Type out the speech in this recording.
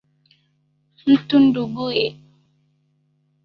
Mtu n'nduguye